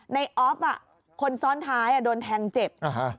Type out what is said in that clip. ออฟอ่ะคนซ้อนท้ายอ่ะโดนแทงเจ็บอ่าฮะ